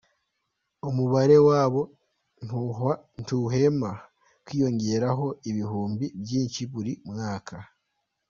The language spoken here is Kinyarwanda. Umubare wabo ntuhwema kwiyongeraho ibihumbi byinshi buri mwaka !